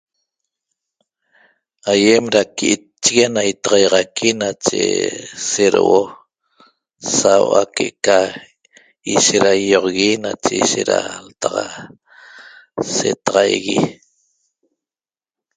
Aýem da qui'itchigui ana itaxaýaxaqui nache sedouo sau'a que'eca ishet da ýi'oxogui nache ishet da ltaxa setaxaigui